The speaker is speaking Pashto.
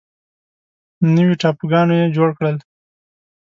نوي ټاپوګانو یې جوړ کړل.